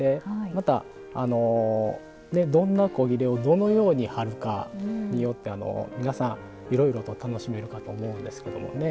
またどんな古裂をどのように貼るかによって皆さんいろいろと楽しめるかと思うんですけどもね。